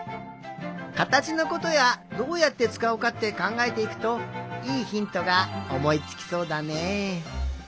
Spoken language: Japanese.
かたちのことやどうやってつかうかってかんがえていくといいひんとがおもいつきそうだねえ。